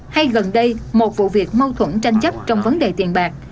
hay gần đây một vụ việc mâu thuẫn tranh chấp trong vấn đề tiền bạc